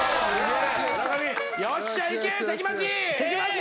よっしゃいけ関町！